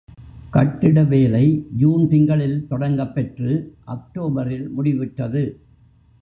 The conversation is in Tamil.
கட்டிட வேலை ஜூன் திங்களில் தொடங்கப் பெற்று அக்டோபரில் முடிவுற்றது.